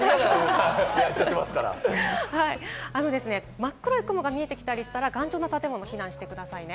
真っ黒い雲が見えてきたりしたら頑丈な建物に避難してくださいね。